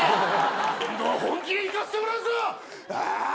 今度は本気でいかせてもらうぞ！